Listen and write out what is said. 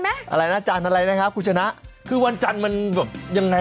อะไรนะจันทร์อะไรนะครับคุณชนะคือวันจันทร์มันแบบยังไง